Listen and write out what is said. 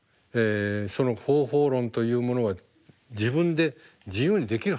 その方法論というものは自分で自由にできるはずなんですよ。